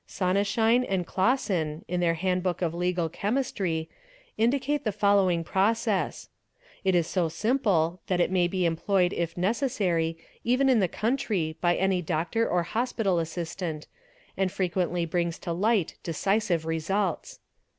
Sonnenschein & Classen" ® in their Handbook of Legal Chemistry indicate the following _ process; it is so simple that it may be employed if necessary even in the country by any doctor or hospital assistant and frequently brings to light — rob decisive results.